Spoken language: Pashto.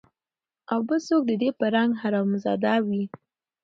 او بل څوک د ده په رنګ حرامزاده وي